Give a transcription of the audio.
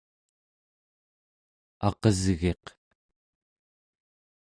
aqesgiq